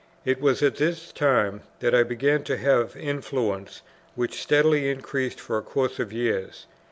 It was at this time that I began to have influence, which steadily increased for a course of years.